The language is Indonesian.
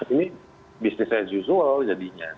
ini bisnis as usual jadinya